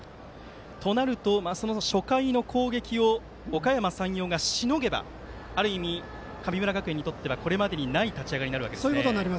となると初回の攻撃をおかやま山陽がしのげばある意味、神村学園にとってはこれまでにない立ち上がりになるわけですね。